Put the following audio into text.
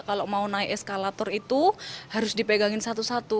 kalau mau naik eskalator itu harus dipegangin satu satu